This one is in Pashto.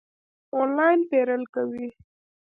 آنلاین پیرل کوئ؟